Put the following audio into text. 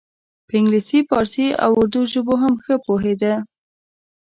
په انګلیسي پارسي او اردو ژبو هم ښه پوهیده.